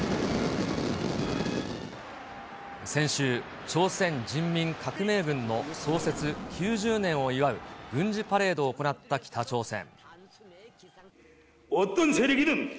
先週、朝鮮人民革命軍の創設９０年を祝う軍事パレードを行った北朝鮮。